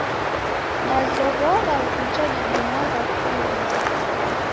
Dazoghora vija didimagha kukuw'ida.